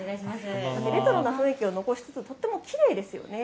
レトロな雰囲気を残してとてもきれいですよね。